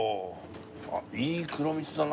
あっいい黒蜜だな。